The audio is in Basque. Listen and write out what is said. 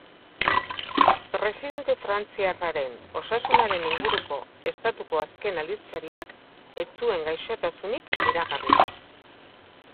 Presidente frantziarraren osasunaren inguruko estatuko azken aldizkariak ez zuen gaixotasunik iragarri.